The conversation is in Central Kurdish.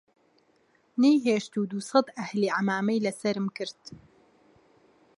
نەیهێشت و دووسەد ئەهلی عەمامەی لە سەرم کرد